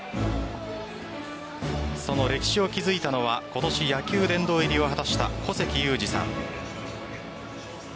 その歴史を築いたのは今年、野球殿堂入りを果たした古関裕而さん。